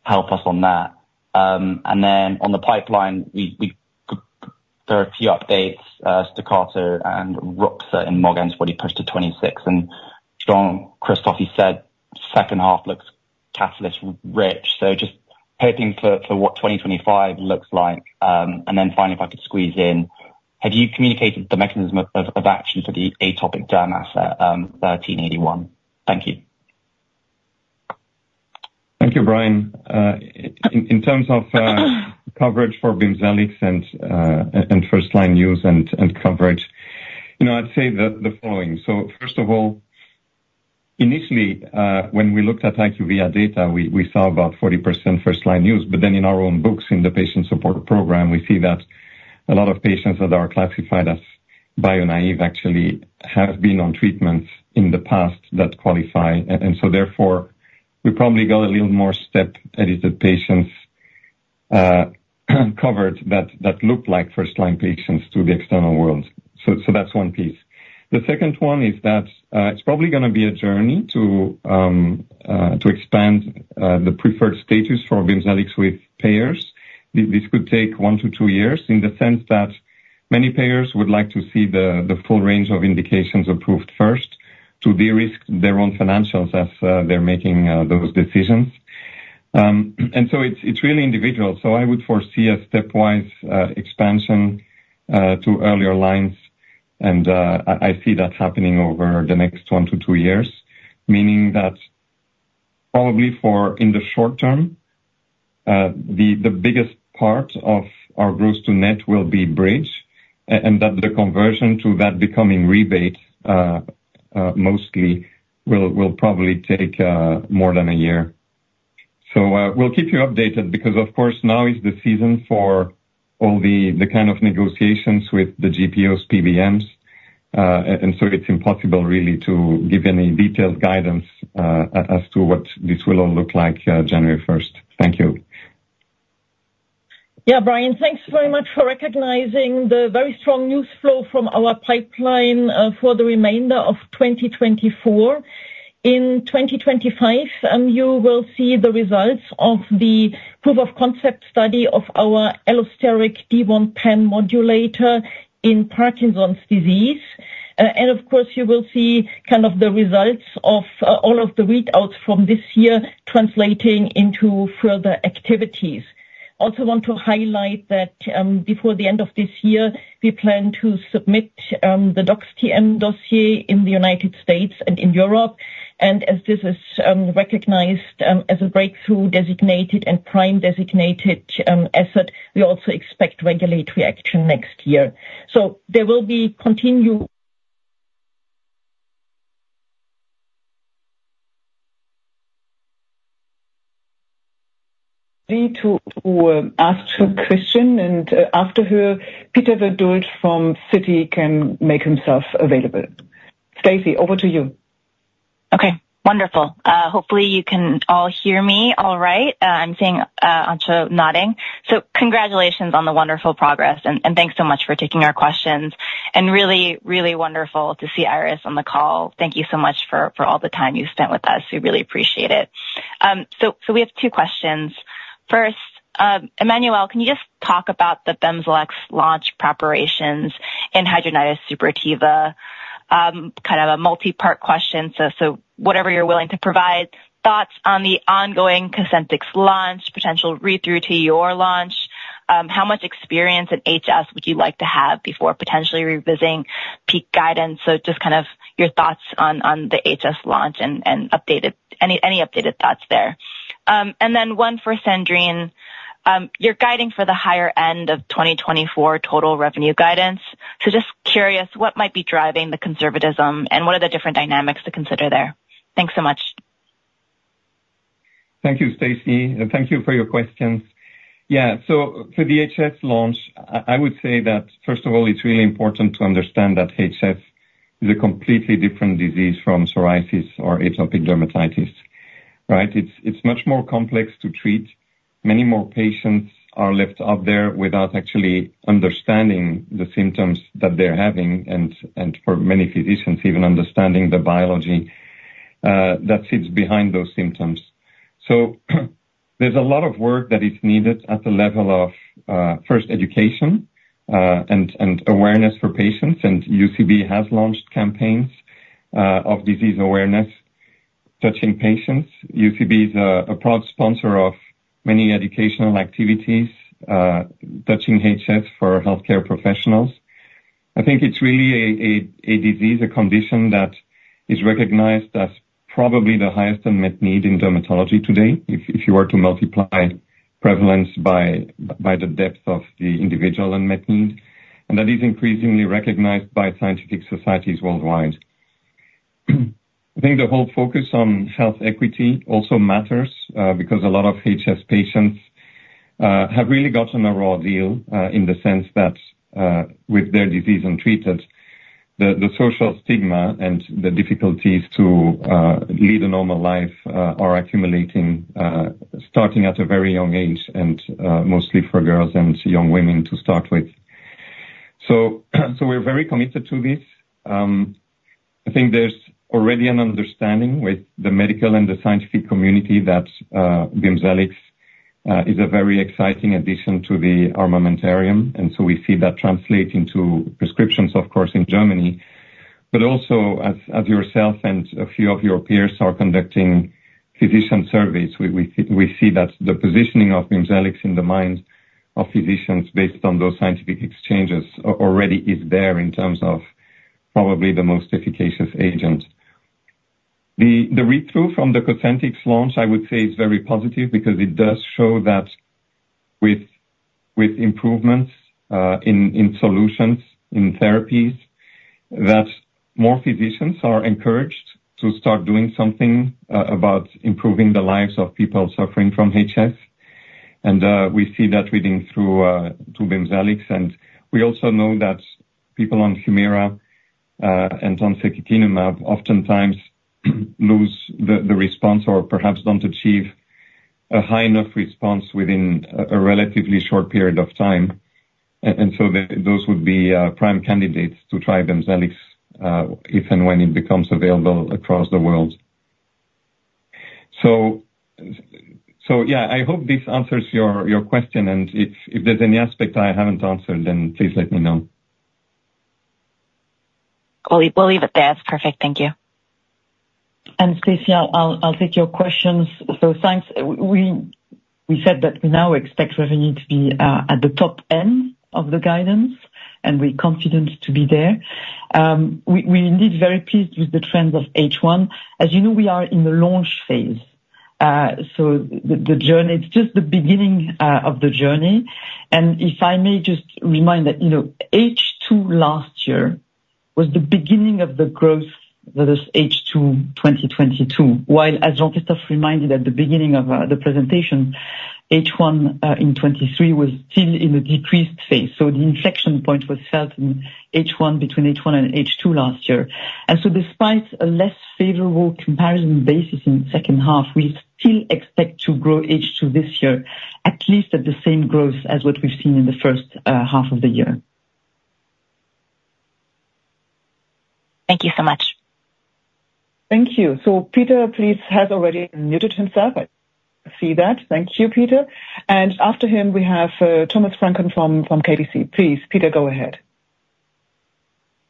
help us on that. And then on the pipeline, there are a few updates, Staccato and Rystiggo in Morgan's already pushed to 2026. And Jean-Christophe, you said second half looks catalyst-rich. So just hoping for what 2025 looks like. Then finally, if I could squeeze in, have you communicated the mechanism of action for the atopic dermatitis at UCB 1381? Thank you. Thank you, Brian. In terms of coverage for BIMZELX and first-line use and coverage, I'd say the following. So first of all, initially, when we looked at IQVIA data, we saw about 40% first-line use. But then in our own books in the patient support program, we see that a lot of patients that are classified as bio-naive actually have been on treatments in the past that qualify. And so therefore, we probably got a little more step-edited patients covered that look like first-line patients to the external world. So that's one piece. The second one is that it's probably going to be a journey to expand the preferred status for BIMZELX with payers. This could take 1-2 years in the sense that many payers would like to see the full range of indications approved first to de-risk their own financials as they're making those decisions. And so it's really individual. So I would foresee a stepwise expansion to earlier lines. And I see that happening over the next one to two years, meaning that probably for in the short term, the biggest part of our gross-to-net will be bridge. And that the conversion to that becoming rebate mostly will probably take more than a year. So we'll keep you updated because, of course, now is the season for all the kind of negotiations with the GPOs, PBMs. And so it's impossible really to give any detailed guidance as to what this will all look like January 1st. Thank you. Yeah, Brian, thanks very much for recognizing the very strong news flow from our pipeline for the remainder of 2024. In 2025, you will see the results of the proof of concept study of our allosteric D1 PAM modulator in Parkinson's disease. Of course, you will see kind of the results of all of the readouts from this year translating into further activities. Also want to highlight that before the end of this year, we plan to submit the DoxTM dossier in the United States and in Europe. As this is recognized as a breakthrough designated and prime designated asset, we also expect regulatory action next year. So there will be continued. Feel free to ask a question. And after her, Peter Verdult from Citi can make himself available. Stacy, over to you. Okay. Wonderful. Hopefully, you can all hear me all right. I'm seeing Antje nodding. So congratulations on the wonderful progress. And thanks so much for taking our questions. And really, really wonderful to see Iris on the call. Thank you so much for all the time you spent with us. We really appreciate it. So we have two questions. First, Emmanuel, can you just talk about the BIMZELX launch preparations in hidradenitis suppurativa? Kind of a multi-part question. So whatever you're willing to provide. Thoughts on the ongoing Cosentyx launch, potential read-through to your launch? How much experience in HS would you like to have before potentially revisiting peak guidance? So just kind of your thoughts on the HS launch and any updated thoughts there. And then one for Sandrine. You're guiding for the higher end of 2024 total revenue guidance. Just curious, what might be driving the conservatism and what are the different dynamics to consider there? Thanks so much. Thank you, Stacy. And thank you for your questions. Yeah. So for the HS launch, I would say that, first of all, it's really important to understand that HS is a completely different disease from psoriasis or atopic dermatitis, right? It's much more complex to treat. Many more patients are left out there without actually understanding the symptoms that they're having. And for many physicians, even understanding the biology that sits behind those symptoms. So there's a lot of work that is needed at the level of first education and awareness for patients. And UCB has launched campaigns of disease awareness touching patients. UCB is a proud sponsor of many educational activities touching HS for healthcare professionals. I think it's really a disease, a condition that is recognized as probably the highest unmet need in dermatology today, if you were to multiply prevalence by the depth of the individual unmet need. And that is increasingly recognized by scientific societies worldwide. I think the whole focus on health equity also matters because a lot of HS patients have really gotten a raw deal in the sense that with their disease untreated, the social stigma and the difficulties to lead a normal life are accumulating starting at a very young age, and mostly for girls and young women to start with. So we're very committed to this. I think there's already an understanding with the medical and the scientific community that BIMZELX is a very exciting addition to the armamentarium. And so we see that translate into prescriptions, of course, in Germany. As yourself and a few of your peers are conducting physician surveys, we see that the positioning of BIMZELX in the minds of physicians based on those scientific exchanges already is there in terms of probably the most efficacious agent. The read-through from the Cosentyx launch, I would say, is very positive because it does show that with improvements in solutions, in therapies, more physicians are encouraged to start doing something about improving the lives of people suffering from HS. We see that reading through BIMZELX. We also know that people on Humira and CIMZIA oftentimes lose the response or perhaps don't achieve a high enough response within a relatively short period of time. Those would be prime candidates to try BIMZELX if and when it becomes available across the world. Yeah, I hope this answers your question. If there's any aspect I haven't answered, then please let me know. We'll leave it there. That's perfect. Thank you. And Stacy, I'll take your questions. So we said that we now expect revenue to be at the top end of the guidance. We're confident to be there. We're indeed very pleased with the trends of H1. As you know, we are in the launch phase. So it's just the beginning of the journey. And if I may just remind that H2 last year was the beginning of the growth for this H2 2022. While, as Jean-Christophe reminded at the beginning of the presentation, H1 in 2023 was still in a decreased phase. So the inflection point was felt in H1 between H1 and H2 last year. And so despite a less favorable comparison basis in the second half, we still expect to grow H2 this year, at least at the same growth as what we've seen in the first half of the year. Thank you so much. Thank you. So Peter, please, has already muted himself. I see that. Thank you, Peter. And after him, we have Thomas Vranken from KBC. Please, Peter, go ahead.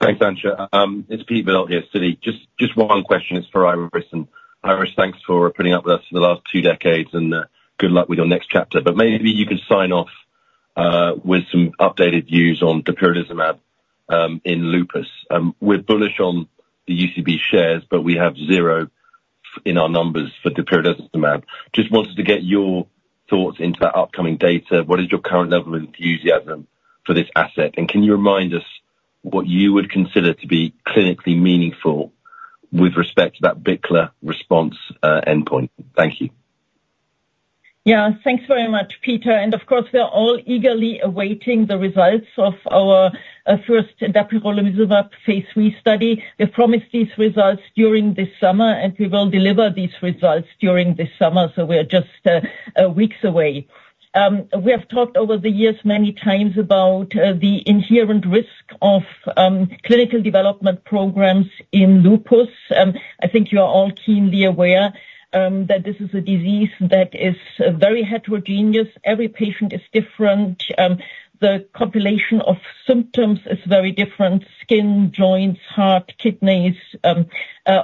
Thanks, Antje. It's Peter Verdult here, Citi. Just one question is for Iris. Iris, thanks for putting up with us for the last two decades. Good luck with your next chapter. But maybe you could sign off with some updated views on dapirolizumab in lupus. We're bullish on the UCB shares, but we have zero in our numbers for dapirolizumab. Just wanted to get your thoughts into that upcoming data. What is your current level of enthusiasm for this asset? And can you remind us what you would consider to be clinically meaningful with respect to that BICLA response endpoint? Thank you. Yeah, thanks very much, Peter. Of course, we are all eagerly awaiting the results of our first dapirolizumab phase 3 study. We have promised these results during this summer. We will deliver these results during this summer. So we are just weeks away. We have talked over the years many times about the inherent risk of clinical development programs in lupus. I think you are all keenly aware that this is a disease that is very heterogeneous. Every patient is different. The compilation of symptoms is very different. Skin, joints, heart, kidneys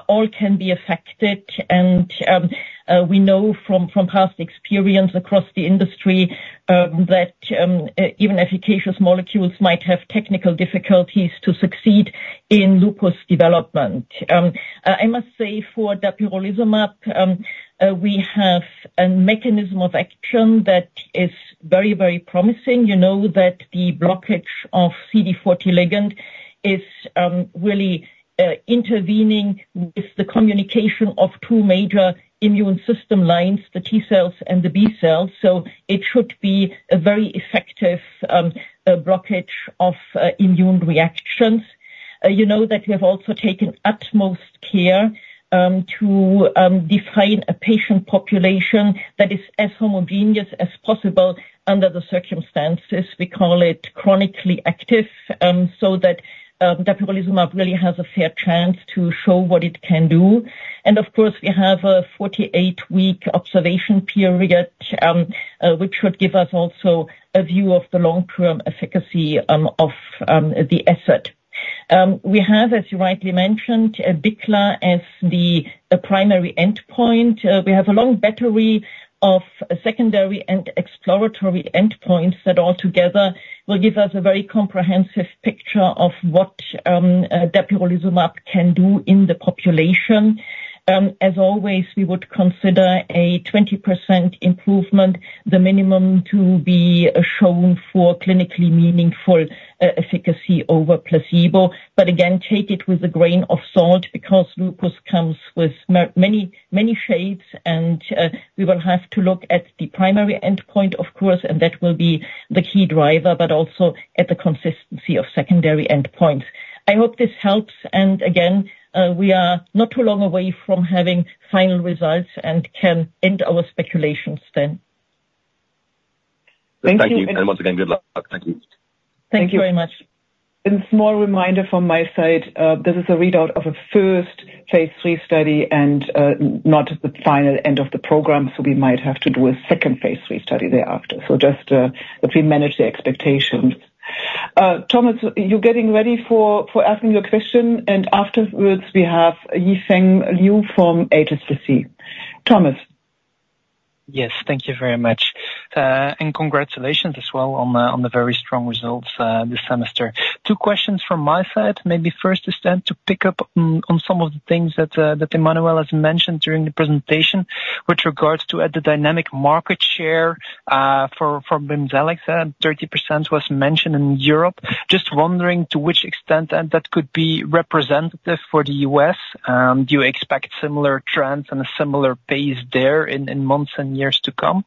all can be affected. We know from past experience across the industry that even efficacious molecules might have technical difficulties to succeed in lupus development. I must say for dapirolizumab, we have a mechanism of action that is very, very promising. You know that the blockage of CD40 ligand is really intervening with the communication of two major immune system lines, the T cells and the B cells. So it should be a very effective blockage of immune reactions. You know that we have also taken utmost care to define a patient population that is as homogeneous as possible under the circumstances. We call it chronically active so that dapirolizumab really has a fair chance to show what it can do. And of course, we have a 48-week observation period, which should give us also a view of the long-term efficacy of the asset. We have, as you rightly mentioned, BICLA as the primary endpoint. We have a long battery of secondary and exploratory endpoints that altogether will give us a very comprehensive picture of what dapirolizumab can do in the population. As always, we would consider a 20% improvement the minimum to be shown for clinically meaningful efficacy over placebo. But again, take it with a grain of salt because lupus comes with many shades. And we will have to look at the primary endpoint, of course, and that will be the key driver, but also at the consistency of secondary endpoints. I hope this helps. And again, we are not too long away from having final results and can end our speculations then. Thank you. Once again, good luck. Thank you. Thank you very much. Small reminder from my side, this is a readout of a first phase 3 study and not the final end of the program. So we might have to do a second phase 3 study thereafter. Just that we manage the expectations. Thomas, you're getting ready for asking your question. Afterwards, we have Yifeng Liu from HSBC. Thomas. Yes, thank you very much. And congratulations as well on the very strong results this semester. Two questions from my side. Maybe first, just to pick up on some of the things that Emmanuel has mentioned during the presentation with regards to the dynamic market share for BIMZELX. 30% was mentioned in Europe. Just wondering to which extent that could be representative for the US. Do you expect similar trends and a similar pace there in months and years to come?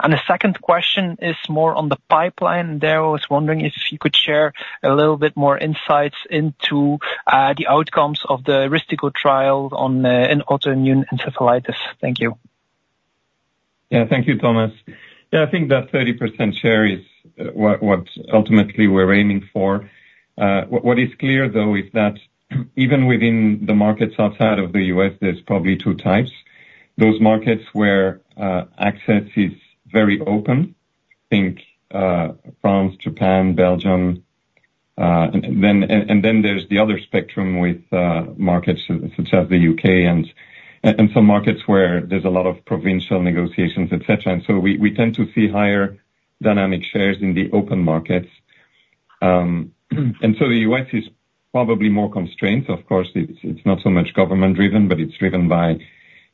And the second question is more on the pipeline. There I was wondering if you could share a little bit more insights into the outcomes of the RYSTIGGO trial in autoimmune encephalitis. Thank you. Yeah, thank you, Thomas. Yeah, I think that 30% share is what ultimately we're aiming for. What is clear, though, is that even within the markets outside of the U.S., there's probably two types. Those markets where access is very open, I think France, Japan, Belgium. And then there's the other spectrum with markets such as the U.K. and some markets where there's a lot of provincial negotiations, etc. And so we tend to see higher dynamic shares in the open markets. And so the U.S. is probably more constrained. Of course, it's not so much government-driven, but it's driven by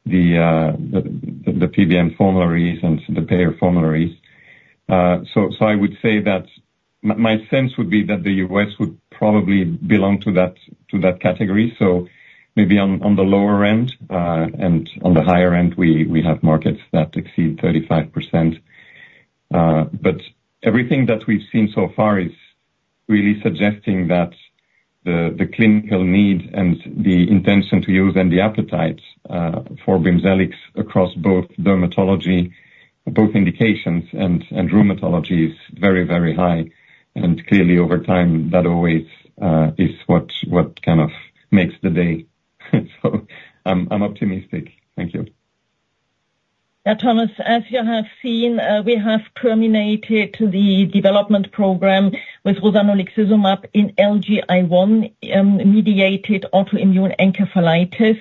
the PBM formularies and the payer formularies. So I would say that my sense would be that the U.S. would probably belong to that category. So maybe on the lower end and on the higher end, we have markets that exceed 35%. But everything that we've seen so far is really suggesting that the clinical need and the intention to use and the appetite for BIMZELX across both dermatology, both indications and rheumatology is very, very high. And clearly, over time, that always is what kind of makes the day. So I'm optimistic. Thank you. Yeah, Thomas, as you have seen, we have terminated the development program with rozanolixizumab in LGI1-mediated autoimmune encephalitis.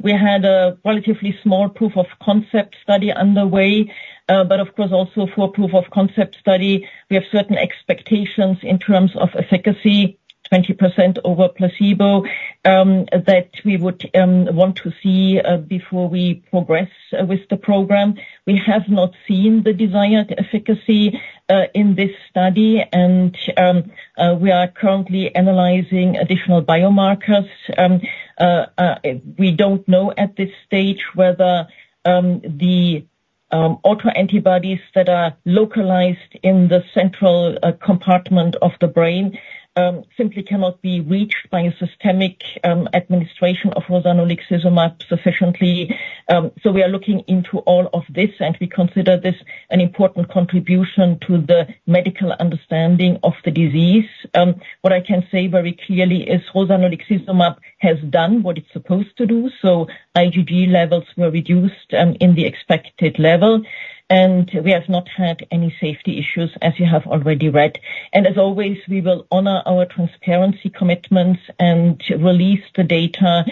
We had a relatively small proof of concept study underway. But of course, also for proof of concept study, we have certain expectations in terms of efficacy, 20% over placebo, that we would want to see before we progress with the program. We have not seen the desired efficacy in this study. We are currently analyzing additional biomarkers. We don't know at this stage whether the autoantibodies that are localized in the central compartment of the brain simply cannot be reached by systemic administration of rozanolixizumab sufficiently. We are looking into all of this. We consider this an important contribution to the medical understanding of the disease. What I can say very clearly is rozanolixizumab has done what it's supposed to do. IgG levels were reduced in the expected level. We have not had any safety issues, as you have already read. As always, we will honor our transparency commitments and release the data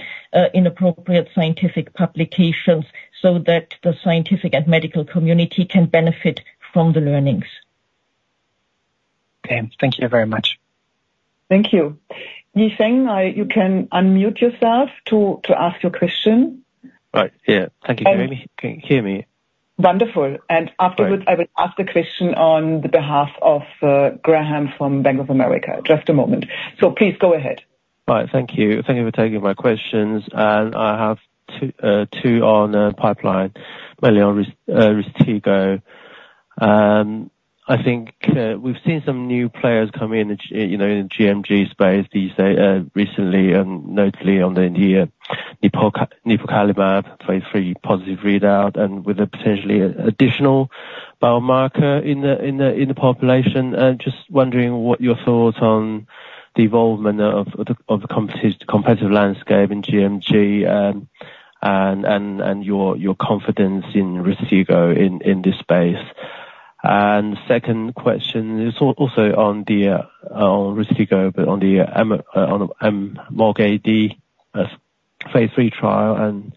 in appropriate scientific publications so that the scientific and medical community can benefit from the learnings. Okay, thank you very much. Thank you. Yifeng, you can unmute yourself to ask your question. Right, yeah. Thank you. Can you hear me? Wonderful. Afterwards, I will ask a question on behalf of Graham from Bank of America. Just a moment. Please go ahead. Right, thank you. Thank you for taking my questions. I have two on pipeline, mainly on RYSTIGGO. I think we've seen some new players come in in the gMG space these days recently, notably on the nipocalimab phase three positive readout and with a potentially additional biomarker in the population. Just wondering what your thoughts on the evolvement of the competitive landscape in gMG and your confidence in RYSTIGGO in this space. Second question is also on RYSTIGGO, but on the MOG-AD phase three trial and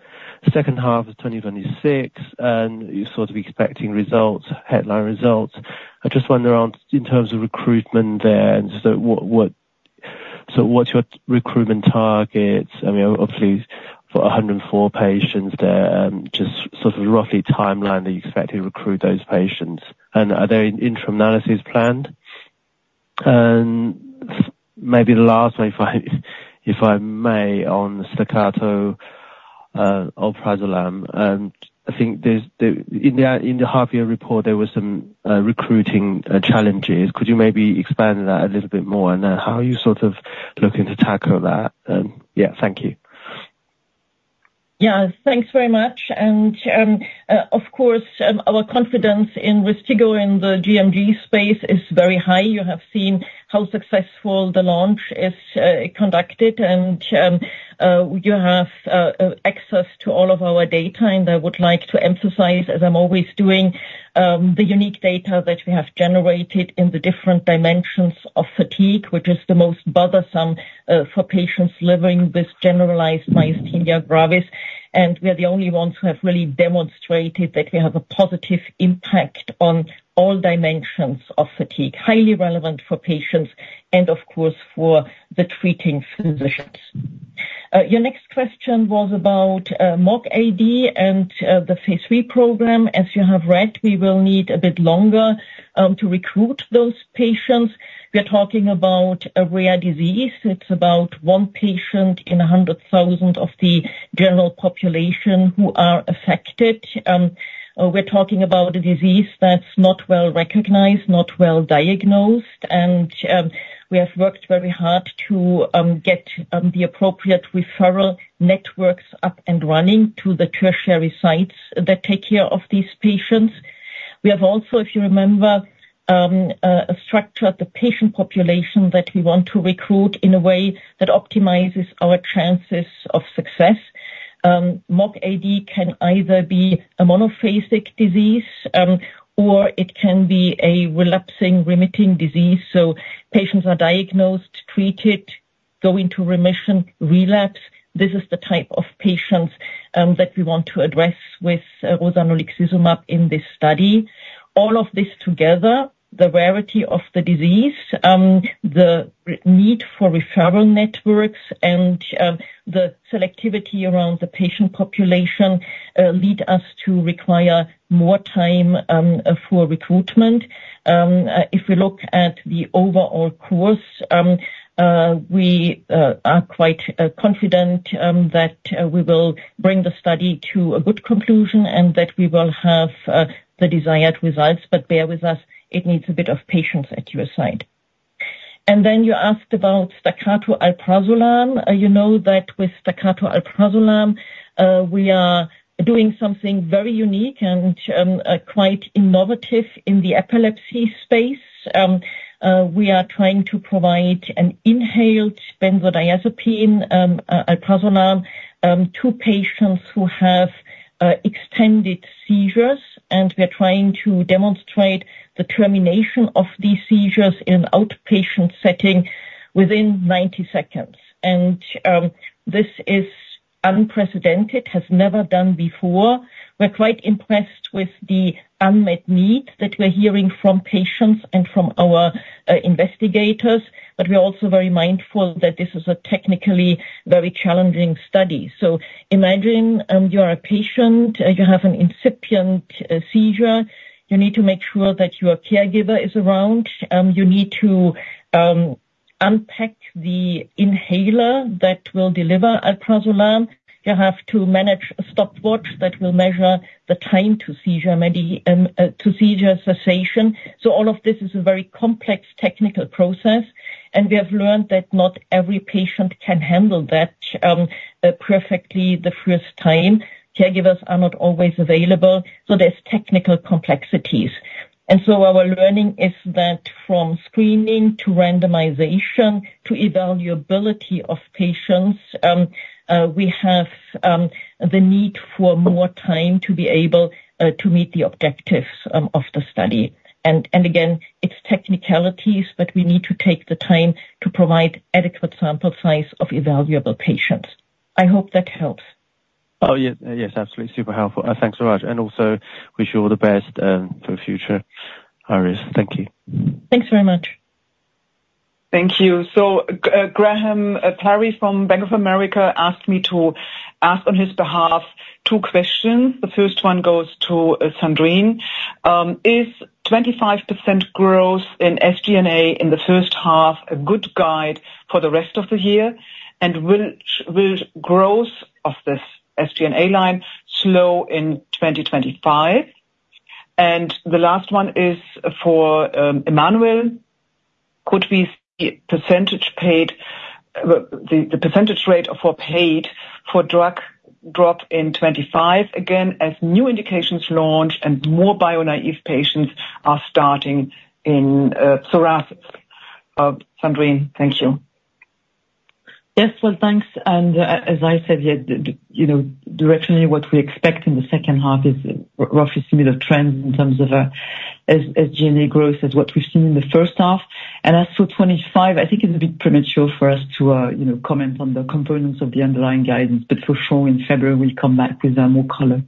second half of 2026. You're sort of expecting headline results. I just wonder in terms of recruitment there, so what's your recruitment target? I mean, obviously, for 104 patients there, just sort of roughly timeline that you expect to recruit those patients. And are there interim analyses planned? And maybe the last one, if I may, on Staccato alprazolam. I think in the half-year report, there were some recruiting challenges. Could you maybe expand that a little bit more? And how are you sort of looking to tackle that? Yeah, thank you. Yeah, thanks very much. And of course, our confidence in RYSTIGGO in the gMG space is very high. You have seen how successful the launch is conducted. And you have access to all of our data. And I would like to emphasize, as I'm always doing, the unique data that we have generated in the different dimensions of fatigue, which is the most bothersome for patients living with generalized myasthenia gravis. And we are the only ones who have really demonstrated that we have a positive impact on all dimensions of fatigue, highly relevant for patients and, of course, for the treating physicians. Your next question was about MOG-AD and the phase 3 program. As you have read, we will need a bit longer to recruit those patients. We are talking about a rare disease. It's about one patient in 100,000 of the general population who are affected. We're talking about a disease that's not well recognized, not well diagnosed. We have worked very hard to get the appropriate referral networks up and running to the tertiary sites that take care of these patients. We have also, if you remember, structured the patient population that we want to recruit in a way that optimizes our chances of success. MOG-AD can either be a monophasic disease or it can be a relapsing-remitting disease. So patients are diagnosed, treated, go into remission, relapse. This is the type of patients that we want to address with rozanolixizumab in this study. All of this together, the rarity of the disease, the need for referral networks, and the selectivity around the patient population lead us to require more time for recruitment. If we look at the overall course, we are quite confident that we will bring the study to a good conclusion and that we will have the desired results. But bear with us, it needs a bit of patience at your side. And then you asked about Staccato alprazolam. You know that with Staccato alprazolam, we are doing something very unique and quite innovative in the epilepsy space. We are trying to provide an inhaled benzodiazepine alprazolam to patients who have extended seizures. And we are trying to demonstrate the termination of these seizures in an outpatient setting within 90 seconds. And this is unprecedented, has never done before. We're quite impressed with the unmet need that we're hearing from patients and from our investigators. But we're also very mindful that this is a technically very challenging study. So imagine you are a patient, you have an incipient seizure, you need to make sure that your caregiver is around, you need to unpack the inhaler that will deliver alprazolam, you have to manage a stopwatch that will measure the time to seizure cessation. So all of this is a very complex technical process. And we have learned that not every patient can handle that perfectly the first time. Caregivers are not always available. So there's technical complexities. And so our learning is that from screening to randomization to evaluability of patients, we have the need for more time to be able to meet the objectives of the study. And again, it's technicalities, but we need to take the time to provide adequate sample size of evaluable patients. I hope that helps. Oh, yes, absolutely. Super helpful. Thanks so much. And also wish you all the best for the future. Thank you. Thanks very much. Thank you. So Graham Parry from Bank of America asked me to ask on his behalf two questions. The first one goes to Sandrine. Is 25% growth in SG&A in the first half a good guide for the rest of the year? And will growth of this SG&A line slow in 2025? And the last one is for Emmanuel. Could we see the percentage rate for paid-to-bridge drop in 2025 again as new indications launch and more bio-naive patients are starting in psoriasis? Sandrine, thank you. Yes, well, thanks. As I said, directionally, what we expect in the second half is roughly similar trends in terms of SG&A growth as what we've seen in the first half. As for 2025, I think it's a bit premature for us to comment on the components of the underlying guidance. For sure, in February, we'll come back with more color.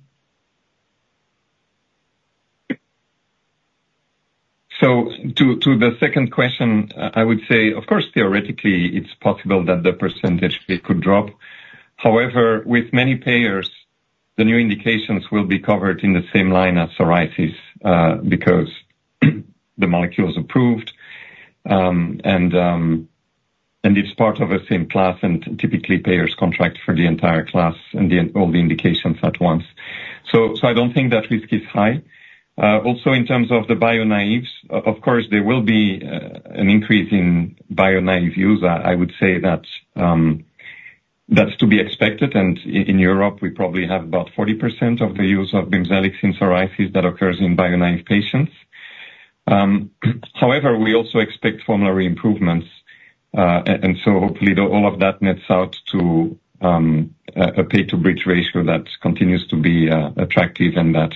So to the second question, I would say, of course, theoretically, it's possible that the percentage could drop. However, with many payers, the new indications will be covered in the same line as psoriasis because the molecule is approved. And it's part of the same class. And typically, payers contract for the entire class and all the indications at once. So I don't think that risk is high. Also, in terms of the bio-naïves, of course, there will be an increase in bio-naive use. I would say that's to be expected. And in Europe, we probably have about 40% of the use of BIMZELX in psoriasis that occurs in bio-naive patients. However, we also expect formulary improvements. And so hopefully, all of that nets out to a paid-to-bridge ratio that continues to be attractive and that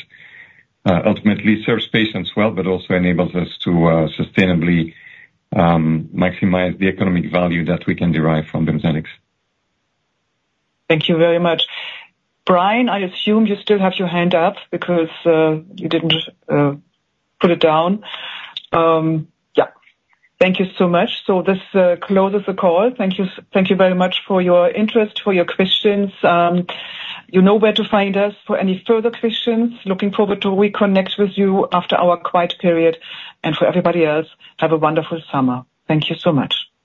ultimately serves patients well, but also enables us to sustainably maximize the economic value that we can derive from BIMZELX. Thank you very much. Brian, I assume you still have your hand up because you didn't put it down. Yeah, thank you so much. This closes the call. Thank you very much for your interest, for your questions. You know where to find us for any further questions. Looking forward to reconnect with you after our quiet period. For everybody else, have a wonderful summer. Thank you so much.